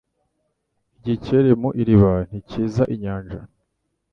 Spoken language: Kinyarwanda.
Igikeri mu iriba ntikizi inyanja.